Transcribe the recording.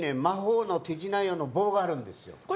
魔法の手品用の棒があるんですよ。